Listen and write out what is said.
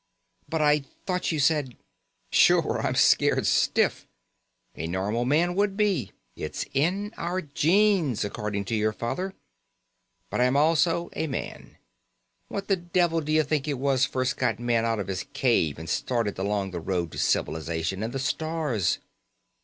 "But I thought you said " "Sure, I'm scared stiff. A normal man would be. It's in our genes, according to your father. But I'm also a man. What the devil d'you think it was first got man out of his cave and started along the road to civilization and the stars?